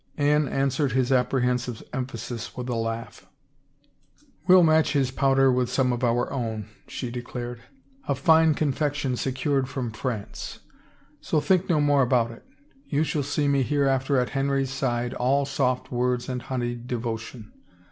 Anne answered his apprehensive emphasis with a laugh. 316 RUMORS " We'll match his powder with some of our own," she declared. " A fine confection secured from France. So think no more about it You shall see me hereafter at Henry's side all soft words and honeyed devotion.